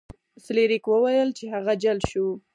فلیریک وویل چې هغه جل شو.